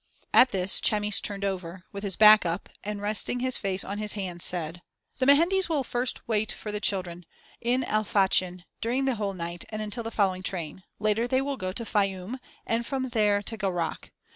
At this Chamis turned over, with his back up, and resting his face on his hands said: "The Mehendes will first wait for the children in El Fachn during the whole night and until the following train; later they will go to Fayûm and from there to Gharak.